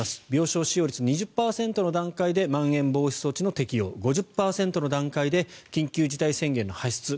病床使用率２０％の段階でまん延防止措置の適用５０％の段階で緊急事態宣言の発出